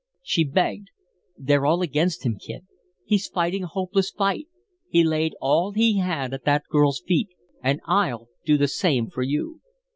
She begged: "They're all against him, Kid. He's fighting a hopeless fight. He laid all he had at that girl's feet, and I'll do the same for you."